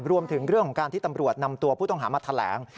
รวมถึงเรื่องของการที่ตำรวจนำตัวผู้ต้องหามาแถลง